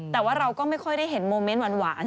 แต่ว่าเราก็ไม่ค่อยได้เห็นโมเมนต์หวาน